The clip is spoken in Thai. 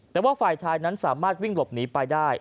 แต่ว่าฝ่ายชายนั้นสามารถวิ่งหลบหนีไปได้